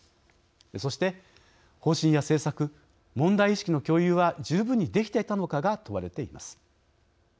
そして、方針や政策問題意識の共有は十分にできていたのかが問われています。